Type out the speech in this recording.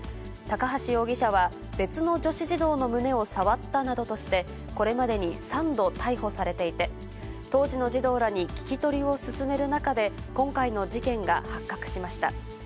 高橋容疑者は、別の女子児童の胸を触ったなどとして、これまでに３度逮捕されていて、当時の児童らに聞き取りを進める中で、今回の事件が発覚しました。